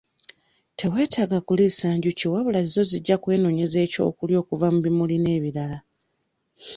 Teweetaaga kuliisa njuki wabula zo zijja kwenoonyeza ekyokulya okuva mu bimuli n'ebirala.